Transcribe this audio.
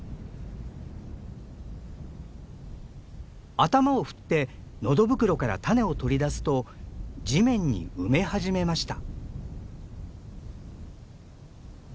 頭を振って喉袋から種を取り出すと地面に埋め始めました。